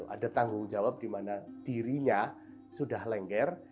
ada tanggung jawab di mana dirinya sudah lengger